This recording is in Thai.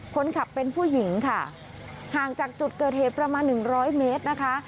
คนขับเป็นผู้หญิงค่ะห่างจากจุดเกิดเหตุประมาณหนึ่งร้อยเมตรนะคะ